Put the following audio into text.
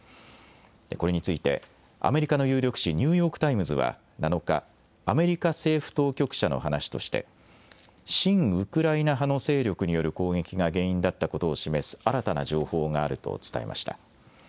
これについて、アメリカの有力紙、ニューヨーク・タイムズは７日、アメリカ政府当局者の話として、親ウクライナ派の勢力による攻撃が原因だったことを示す新たな情報があると伝えました。